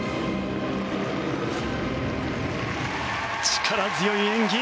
力強い演技。